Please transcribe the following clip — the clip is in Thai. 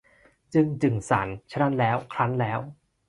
จึง จึ่ง สัน ฉะนั้นแล้ว ครั้นแล้ว